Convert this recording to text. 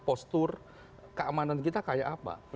postur keamanan kita kayak apa